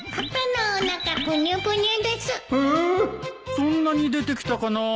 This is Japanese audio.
そんなに出てきたかなあ。